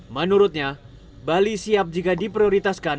menurutnya bali siap jika diprioritaskan